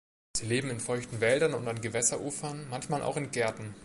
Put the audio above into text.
Sie leben in feuchten Wäldern und an Gewässerufern, manchmal auch in Gärten.